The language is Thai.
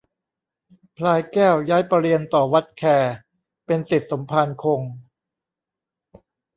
พลายแก้วย้ายไปเรียนต่อวัดแค เป็นศิษย์สมภารคง